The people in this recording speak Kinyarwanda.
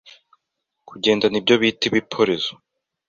kugendana ibyo bita ibiporezo